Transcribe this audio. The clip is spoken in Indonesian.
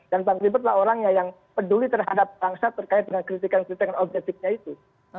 dan bang gilbert lah orangnya yang peduli terhadap bangsa terkait dengan kritikan kritikan objektifnya itu